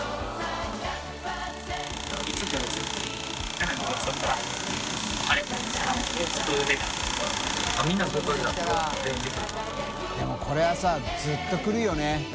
燭蕁任これはさずっと来るよね。